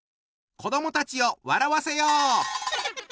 子どもたちを笑わせよう！